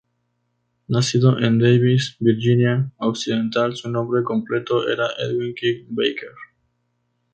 Nacido en Davis, Virginia Occidental, su nombre completo era Edwin King Baker.